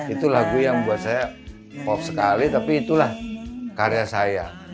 itu lagu yang buat saya pop sekali tapi itulah karya saya